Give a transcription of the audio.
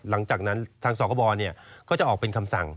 หลังจากนั้นทางสคบก็จะออกเป็นคำสั่ง